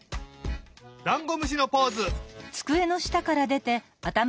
ダンゴムシのポーズ！